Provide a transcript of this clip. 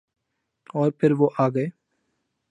اورپھر وہ آگئے۔